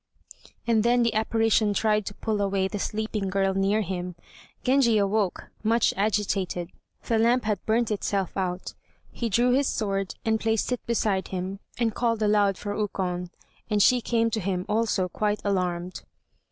And then the apparition tried to pull away the sleeping girl near him. Genji awoke much agitated. The lamp had burnt itself out. He drew his sword, and placed it beside him, and called aloud for Ukon, and she came to him also quite alarmed.